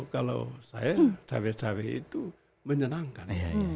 kalau saya cabai cabai itu menyenangkan